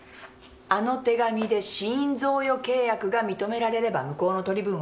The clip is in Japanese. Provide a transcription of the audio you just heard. あの手紙で死因贈与契約が認められれば向こうの取り分はゼロ。